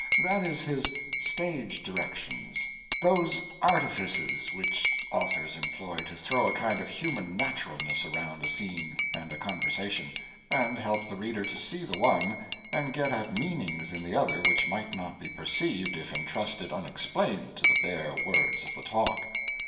That is his "stage directions"—those artifices which authors employ to throw a kind of human naturalness around a scene and a conversation, and help the reader to see the one and get at meanings in the other which might not be perceived if entrusted unexplained to the bare words of the talk.